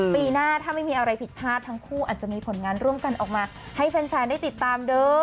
ปีหน้าถ้าไม่มีอะไรผิดพลาดทั้งคู่อาจจะมีผลงานร่วมกันออกมาให้แฟนได้ติดตามเด้อ